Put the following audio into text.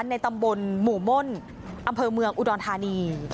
ในตำบลหมู่ม่นอำเภอเมืองอุดรธานี